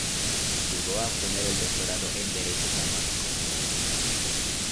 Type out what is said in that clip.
Llegó a obtener el doctorado en Derecho Canónico.